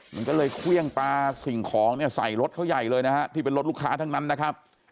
มันก็เลยเครื่องปลาสิ่งของเนี่ยใส่รถเขาใหญ่เลยนะฮะที่เป็นรถลูกค้าทั้งนั้นนะครับ